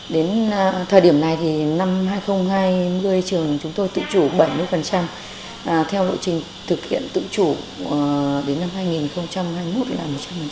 đến thời điểm này thì năm hai nghìn hai mươi trường chúng tôi tự chủ bảy mươi theo lộ trình thực hiện tự chủ đến năm hai nghìn hai mươi một là một trăm linh